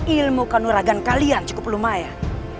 ilmu kanuragan kalian cukup lumayan